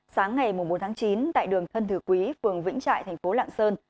sáng ngày bốn tháng chín tại đường thân thử quý phường vĩnh trại thành phố lạng sơn